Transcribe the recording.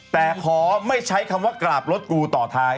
แต่ขอไม่ใช้คำว่ากราบรถกูต่อท้าย